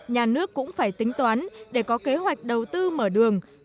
nhà nước cũng phải tính toán để có kế hoạch đầu tư mở đường